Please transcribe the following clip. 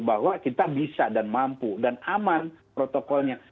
bahwa kita bisa dan mampu dan aman protokolnya